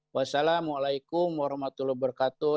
wassalamu'alaikum warahmatullahi wabarakatuh